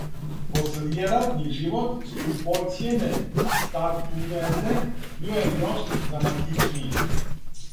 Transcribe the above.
Послијератни живот скупоцјене статуете био је још драматичнији.